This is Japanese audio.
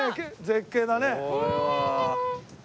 絶景だね。